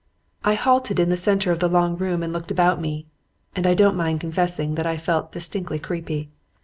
I halted in the center of the long room and looked about me, and I don't mind confessing that I felt distinctly creepy.